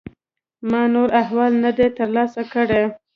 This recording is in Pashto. ما نور احوال نه دی ترلاسه کړی.